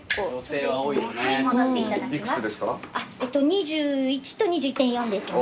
２１と２１．４ですね。